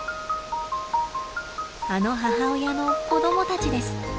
あの母親の子供たちです。